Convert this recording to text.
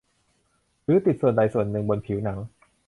หรือติดส่วนใดส่วนหนึ่งบนผิวหนัง